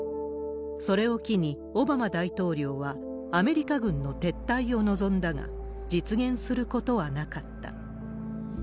それを機に、オバマ大統領はアメリカ軍の撤退を望んだが、実現することはなかった。